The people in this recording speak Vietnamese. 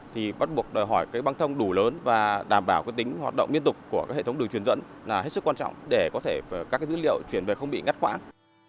thì bắt buộc đòi hỏi cái băng thông đủ lớn và đảm bảo tính hoạt động liên tục của hệ thống đường truyền dẫn là hết sức quan trọng để có thể các dữ liệu chuyển về không bị ngắt khoản